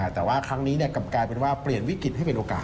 แต่ว่าครั้งนี้กลับกลายเป็นว่าเปลี่ยนวิกฤตให้เป็นโอกาส